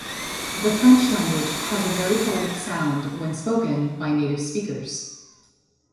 The French language has a very poetic sound when spoken by native speakers.